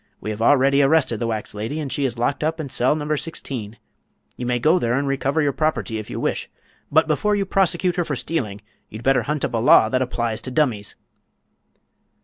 We have already arrested the wax lady, and she is locked up in cell No. 16. You may go there and recover your property, if you wish, but before you prosecute her for stealing you'd better hunt up a law that applies to dummies."